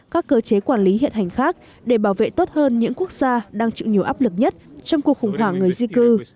các cơ chế quản lý hiện hành khác để bảo vệ tốt hơn những quốc gia đang chịu nhiều áp lực nhất trong cuộc khủng hoảng người di cư